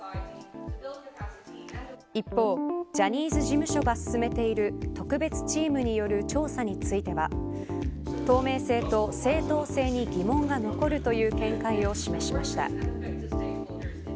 一方、ジャニーズ事務所が進めている特別チームによる調査については透明性と正当性に疑問が残るという見解を示しました。